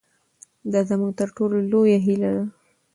دا زموږ تر ټولو لویه هیله ده.